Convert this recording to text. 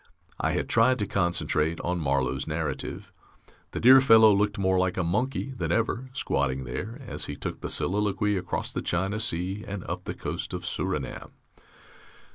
I had tried to concentrate on Marlow's narrative. The dear fellow looked more like a monkey than ever, squatting there, as he took the Soliloquy across the China Sea and up the coast of Surinam.